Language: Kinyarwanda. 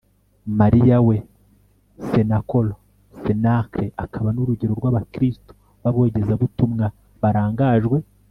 mariya, we senakolo(cenacle) akaba n'urugero rw'abakristu n'abogezabutumwa barangajwe